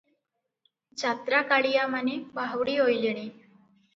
ଯାତ୍ରାକାଳିଆମାନେ ବାହୁଡ଼ି ଅଇଲେଣି ।